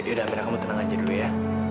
yaudah akhirnya kamu tenang aja dulu ya